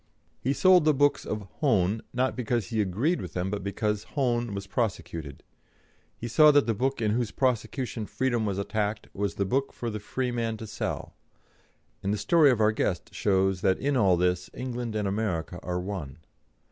He sold the books of Hone not because he agreed with them, but because Hone was prosecuted. He saw that the book in whose prosecution freedom was attacked was the book for the freeman to sell; and the story of our guest shows that in all this England and America are one.